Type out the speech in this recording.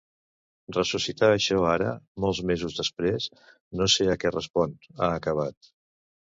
Ressuscitar això ara, molts mesos després, no sé a què respon, ha acabat.